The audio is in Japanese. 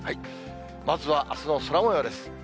まずはあすの空もようです。